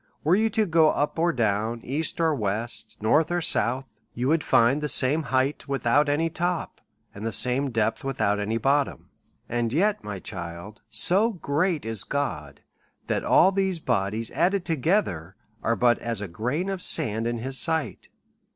Were you to go up or down, east or west, north or south, you would find the same height without any top, and the same depth without any bottom. And yet, my child, so great is God, that all these bodies added together are but as a grain of sand in his sight.